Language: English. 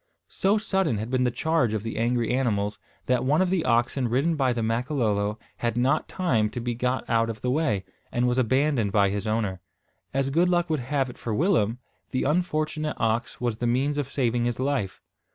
So sudden had been the charge of the angry animals, that one of the oxen ridden by the Makololo, had not time to be got out of the way, and was abandoned by his owner. As good luck would have it for Willem, the unfortunate ox was the means of saving his life.